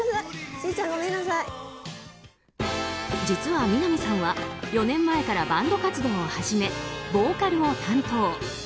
実は南さんは４年前からバンド活動を始めボーカルを担当。